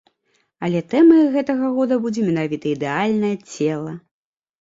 Але тэмай гэтага года будзе менавіта ідэальнае цела.